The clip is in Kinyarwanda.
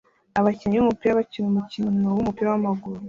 Abakinnyi b'umupira bakina umukino wumupira wamaguru